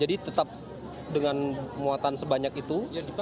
jadi tetap dengan muatan sebanyak itu